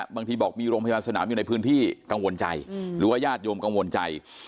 บางทีบอกมีโรงพยาบาลสนามอยู่ในพื้นที่กังวลใจหรือว่าญาติโยมกังวลใจ